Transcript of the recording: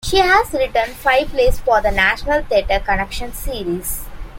She has written five plays for the National Theatre Connections series.